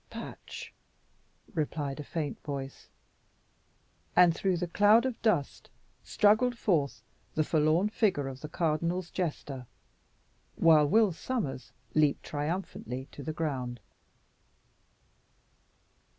"Patch," replied a faint voice. And through the cloud of dust struggled forth the forlorn figure of the cardinal's jester, while Will Sommers leaped triumphantly to the ground.